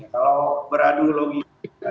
kalau beradu logis itu sangat tidak bisa